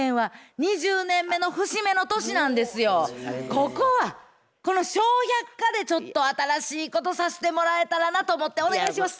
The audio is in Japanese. ここはこの「笑百科」でちょっと新しいことさしてもらえたらなと思ってお願いします。